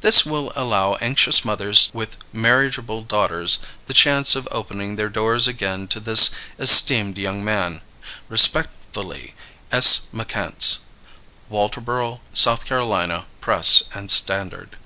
This will allow anxious mothers with marriageable daughters the chance of opening their doors again to this esteemed young man. Respectfully, S. McCants. _Walterboro (South Carolina) Press and Standard.